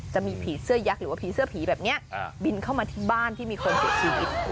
จะมีผีเสื้อยักษ์หรือว่าผีเสื้อผีแบบนี้บินเข้ามาที่บ้านที่มีคนเสียชีวิต